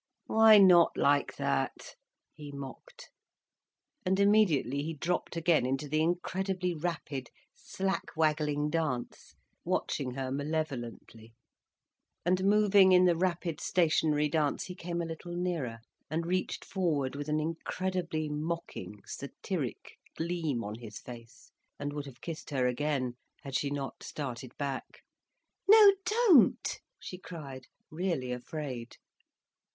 "Why not like that?" he mocked. And immediately he dropped again into the incredibly rapid, slack waggling dance, watching her malevolently. And moving in the rapid, stationary dance, he came a little nearer, and reached forward with an incredibly mocking, satiric gleam on his face, and would have kissed her again, had she not started back. "No, don't!" she cried, really afraid.